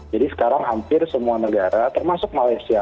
jadi sekarang hampir semua negara termasuk malaysia